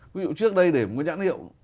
ví dụ trước đây để một cái nhãn hiệu